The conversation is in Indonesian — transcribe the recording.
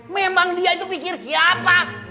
memang dia itu pikir siapa